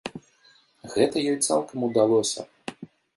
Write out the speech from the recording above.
Гэта ёй цалкам удалося.